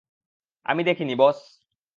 আমি দেখিনি, বস!